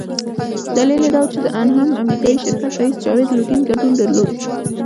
دلیل یې دا وو چې د انهم امریکایي شرکت رییس جاوید لودین ګډون درلود.